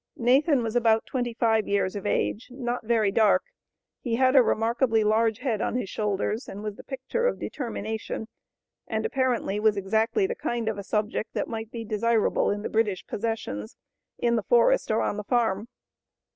Nathan was about twenty five years of age, not very dark. He had a remarkably large head on his shoulders and was the picture of determination, and apparently was exactly the kind of a subject that might be desirable in the British possessions, in the forest or on the farm.